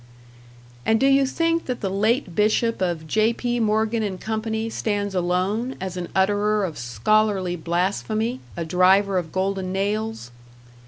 And do you think that the late Bishop of J.P. Morgan and Company stands alone as an utterer of scholarly blasphemy, a driver of golden nails?